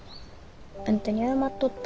あんたに謝っとった。